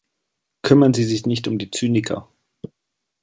Kümmern Sie sich nicht um die Zyniker.